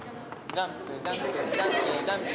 ジャンプジャンプジャンプジャンプ。